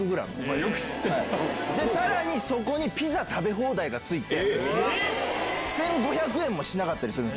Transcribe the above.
さらにそこにピザ食べ放題が付いて１５００円もしなかったりするんですよ。